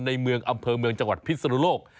ในเมืองอำเภอเมืองจังหวัดพิศนุโลก